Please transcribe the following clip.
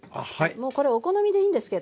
もうこれお好みでいいんですけどね